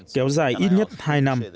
kéo dài ít nhất hai năm